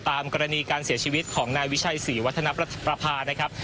ตามกรณีการเสียชีวิตของนายวิชัยศรีวัฒนประภา